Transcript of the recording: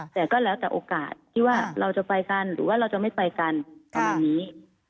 แต่ก็แล้วแต่โอกาสที่ว่าเราจะไปกันหรือว่าเราจะไม่ไปกันประมาณนี้